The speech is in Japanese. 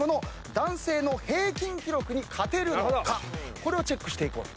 これをチェックしていこうと。